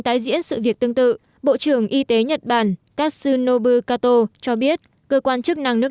tái diễn sự việc tương tự bộ trưởng y tế nhật bản kasunobu kato cho biết cơ quan chức năng nước